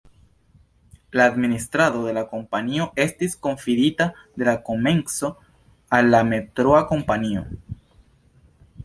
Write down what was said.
La administrado de la kompanio estis konfidita de la komenco al la Metroa kompanio.